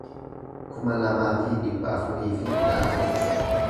kuma lamaa fi dhibba afurii fi kudha afur